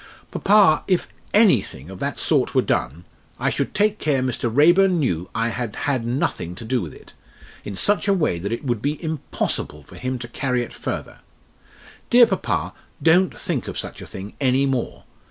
"Papa, if anything of that sort were done, I should take care Mr. Raeburn knew I had had nothing to do with it in such a way that it would be impossible for him to carry it further. Dear papa, don't think of such a thing any more.